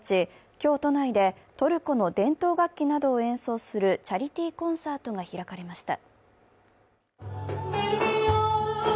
今日、都内でトルコの伝統楽器などを演奏するチャリティーコンサートが開かれました。